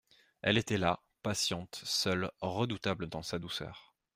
Elle était là, patiente, seule, redoutable dans sa douceur.